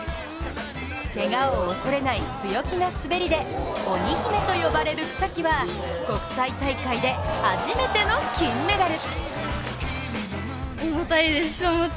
けがを恐れない強気な滑りで鬼姫と呼ばれる草木は、国際大会で初めての金メダル。